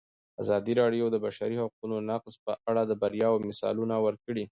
ازادي راډیو د د بشري حقونو نقض په اړه د بریاوو مثالونه ورکړي.